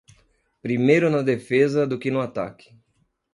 Primeiro na defesa do que no ataque.